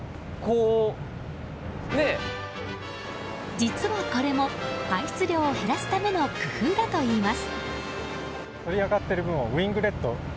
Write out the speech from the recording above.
実はこれも、排出量を減らすための工夫だといいます。